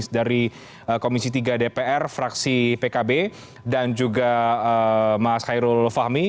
dari komisi tiga dpr fraksi pkb dan juga mas khairul fahmi